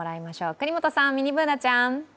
國本さん、ミニＢｏｏｎａちゃん。